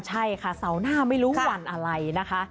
ใช่ค่ะเสาร์หน้าไม่รู้วันอะไรนะคะ